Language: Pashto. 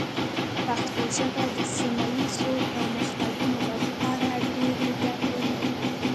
پښتو ژبه د سیمه ایزو پرمختګونو لپاره ډېرې ګټې لري.